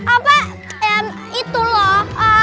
apa emm itu loh